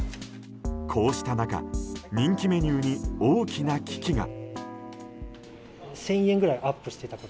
こうした中、人気メニューに大きな危機が。